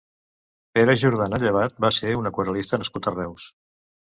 Pere Jordana Llevat va ser un aquarel·lista nascut a Reus.